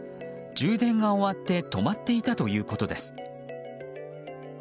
充電が終わって止まっていたということです。